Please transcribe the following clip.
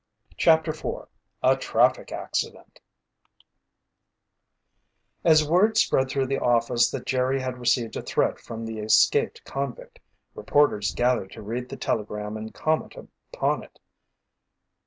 CHAPTER 4 A TRAFFIC ACCIDENT As word spread through the office that Jerry had received a threat from the escaped convict, reporters gathered to read the telegram and comment upon it.